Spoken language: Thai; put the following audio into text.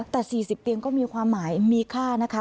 แต่๔๐เตียงก็มีความหมายมีค่านะคะ